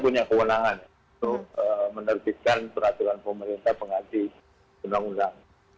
untuk mendertibkan peraturan pemerintah pengaji undang undang